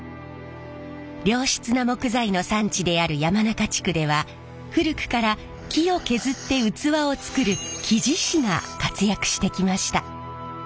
良質な木材の産地である山中地区では古くから木を削って器を作る木地師が活躍してきました。